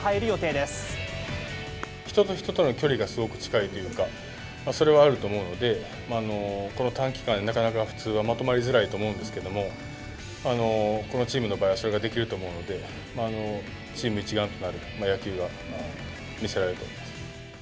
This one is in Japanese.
人と人との距離が、すごく近いというか、それはあると思うので、この短期間で、なかなか普通はまとまりづらいと思うんですけど、このチームの場合はそれができると思うので、チーム一丸となる野球が見せられると思います。